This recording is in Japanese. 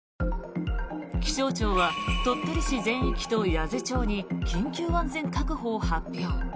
気象庁は鳥取市全域と八頭町に緊急安全確保を発表。